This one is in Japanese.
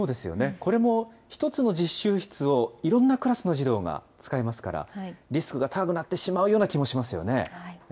これも、１つの実習室をいろんなクラスの授業が使いますから、リスクが高くなってしまうような気もしますよね。